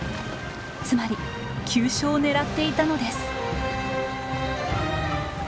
つまり急所を狙っていたのです。